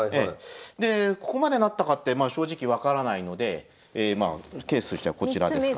でここまでなったかってまあ正直分からないのでケースとしてはこちらですか。